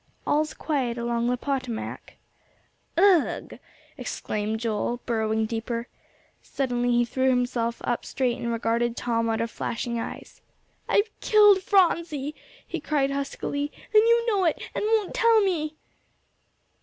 "All's quiet along the Potomac." "Ugh!" exclaimed Joel, burrowing deeper. Suddenly he threw himself up straight and regarded Tom out of flashing eyes. "I've killed Phronsie," he cried huskily, "and you know it, and won't tell me!"